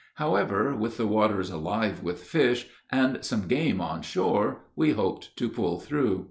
However, with the waters alive with fish, and some game on shore, we hoped to pull through.